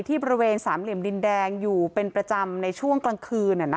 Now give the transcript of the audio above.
บริเวณสามเหลี่ยมดินแดงอยู่เป็นประจำในช่วงกลางคืน